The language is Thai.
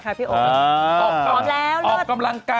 อ้าวไอ้ผีกูจะไปรู้เรื่องก็ได้ยังไง